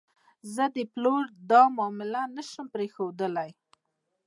زه د پلور دا معامله نه شم پرېښودلی.